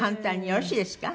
よろしいですか？